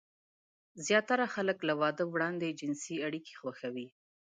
زياتره خلک له واده وړاندې جنسي اړيکې خوښوي.